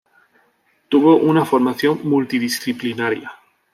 Tuvo una formación multidisciplinaria.